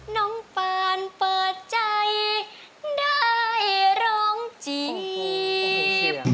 น้องปานเปิดใจได้ร้องจีบ